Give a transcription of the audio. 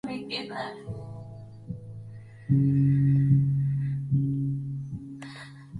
Ella invitó a la cantante de rock para verla ensayar.